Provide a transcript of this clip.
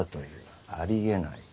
ありえない！